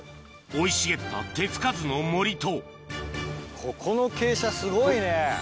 生い茂った手付かずの森とここの傾斜すごいね。